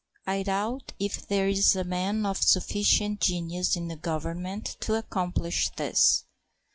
I doubt if there is a man of sufficient genius in the Government to accomplish this.